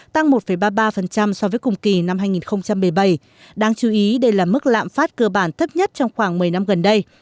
tăng một ba mươi ba so với cùng kỳ năm hai nghìn một mươi bảy đáng chú ý đây là mức lạm phát cơ bản thấp nhất trong khoảng một mươi năm gần đây